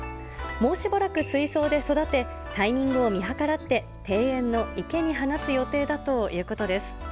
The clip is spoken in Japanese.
もうしばらく水槽で育て、タイミングを見計らって、庭園の池に放つ予定だということです。